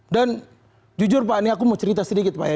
dan jujur pak ini aku mau cerita sedikit pak ya